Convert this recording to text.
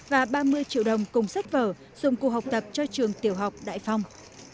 và ba mươi triệu đồng cùng sách vở dùng cuộc học tập cho trường tiểu học đại phong